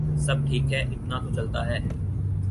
سب ٹھیک ہے ، اتنا تو چلتا ہے ۔